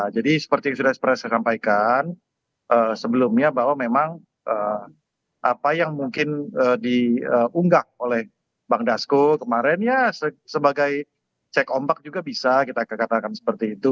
jadi seperti yang sudah saya sampaikan sebelumnya bahwa memang apa yang mungkin diunggah oleh bang dasko kemarin ya sebagai cek ombak juga bisa kita katakan seperti itu